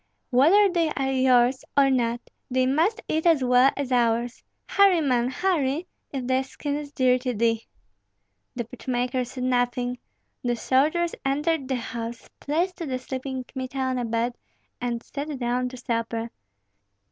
"Whether they are yours or not, they must eat as well as ours. Hurry, man, hurry! if thy skin is dear to thee!" The pitch maker said nothing. The soldiers entered the house, placed the sleeping Kmita on a bed, and sat down to supper.